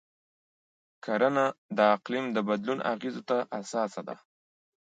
کرنه د اقلیم د بدلون اغېزو ته حساسه ده.